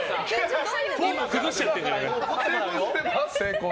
フォーム崩しちゃってんじゃないか。